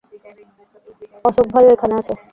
অশোক ভাইও ওখানে আছে।